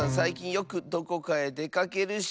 よくどこかへでかけるし。